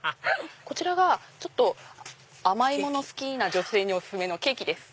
こちらが甘いもの好きな女性にお薦めのケーキです。